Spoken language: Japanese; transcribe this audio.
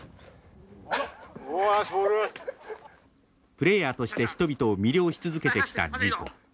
プレーヤーとして人々を魅了し続けてきたジーコ。